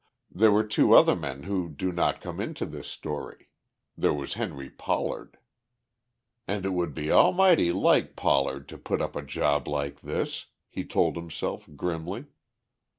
There were two other men who do not come into this story. There was Henry Pollard. "And it would be almighty like Pollard to put up a job like this," he told himself grimly.